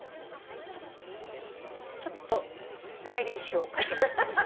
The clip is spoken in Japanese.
ちょっとスタイリッシュを掛けまして。